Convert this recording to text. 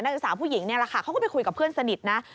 ศึกษาผู้หญิงนี่แหละค่ะเขาก็ไปคุยกับเพื่อนสนิทนะ